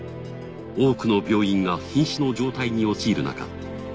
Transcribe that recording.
多くの病院が瀕死の状態に陥るなか